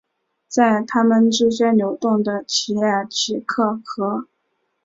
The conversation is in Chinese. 在他们之间流动的奇尔奇克河。